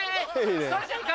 いいね。